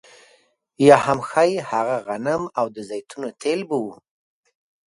یا هم ښايي هغه غنم او د زیتونو تېل به وو